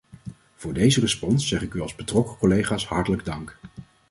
Voor deze respons zeg ik u als betrokken collega's hartelijk dank.